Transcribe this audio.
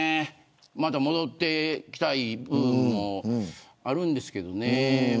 また戻ってきたい部分もあるんですけどね。